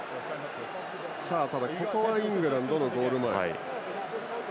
ただ、ここはイングランドのゴール前。